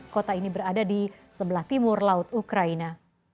kota ini berada di sebelah timur laut ukraina